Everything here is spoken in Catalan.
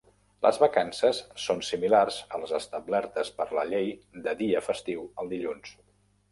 Les vacances són similars a les establertes per la llei de dia festiu el dilluns.